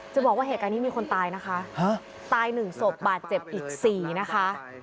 จะบอกว่าเหตุการณ์นี้มีคนตายนะคะตาย๑ศพบาดเจ็บอีก๔นะคะ